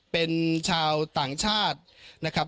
เป็นชาวต่างชาตินะครับ